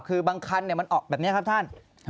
คือบางคันมันออกแบบนี้ครับท่าน